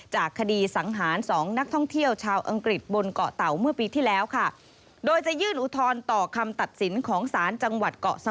จากคดีสังหาร๒นักท่องเที่ยวชาวอังกฤษบนเกาะเต่าเมื่อปีที่แล้วค่ะ